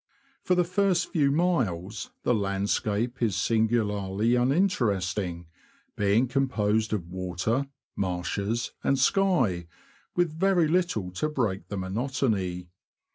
For the first few miles the landscape is singularly uninteresting, being composed of water, marshes, and sky, wnth very little to break the monotony.